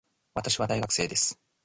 私は大学生です